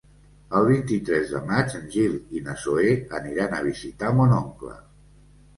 El vint-i-tres de maig en Gil i na Zoè aniran a visitar mon oncle.